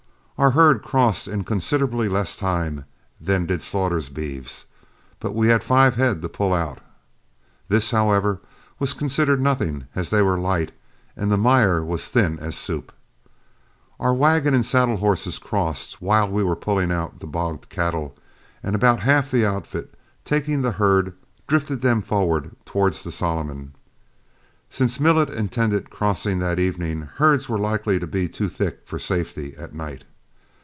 Our herd crossed in considerably less time than did Slaughter's beeves, but we had five head to pull out; this, however, was considered nothing, as they were light, and the mire was as thin as soup. Our wagon and saddle horses crossed while we were pulling out the bogged cattle, and about half the outfit, taking the herd, drifted them forward towards the Solomon. Since Millet intended crossing that evening, herds were likely to be too thick for safety at night.